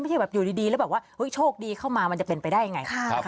แค่แบบอยู่ดีแล้วแบบว่าโชคดีเข้ามามันจะเป็นไปได้ยังไง